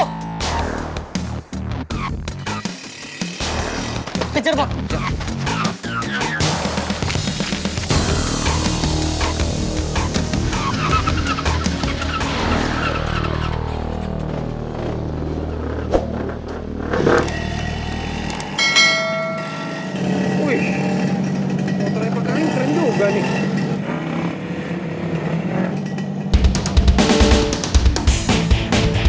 kejar pa kejar